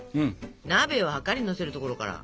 鍋をはかりにのせるところから。